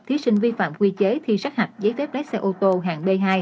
thí sinh vi phạm quy chế thi sát hạch giấy phép lái xe ô tô hạng b hai